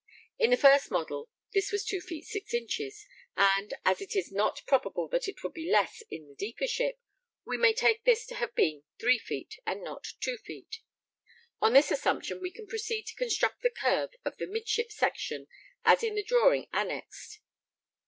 In the first model this was 2 feet 6 inches, and, as it is not probable that it would be less in the deeper ship, we may take this to have been 3 feet, and not 2 feet. On this assumption we can proceed to construct the curve of the midship section as in the drawing annexed.